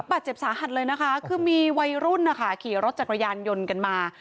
บาดเจ็บสาหัสเลยนะคะคือมีวัยรุ่นนะคะขี่รถจักรยานยนต์กันมา